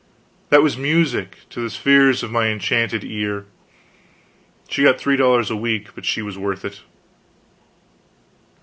that was music of the spheres to my enchanted ear. She got three dollars a week, but she was worth it.